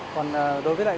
còn đối với lại